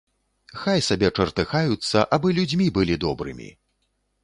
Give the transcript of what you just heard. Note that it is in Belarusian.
Хай сабе чартыхаюцца, абы людзьмі былі добрымі.